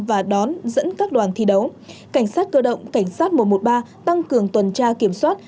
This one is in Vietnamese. và đón dẫn các đoàn thi đấu cảnh sát cơ động cảnh sát một trăm một mươi ba tăng cường tuần tra kiểm soát